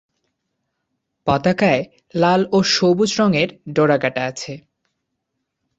পতাকায় লাল ও সবুজ রঙের ডোরাকাটা আছে।